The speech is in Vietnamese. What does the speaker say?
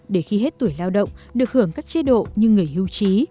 để khi hết tuổi lao động được hưởng các chế độ như người hưu trí